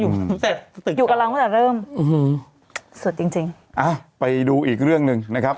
อยู่กับเราตั้งแต่เริ่มอื้อหือสุดจริงจริงอ่ะไปดูอีกเรื่องหนึ่งนะครับ